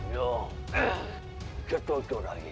ya kita berdua lagi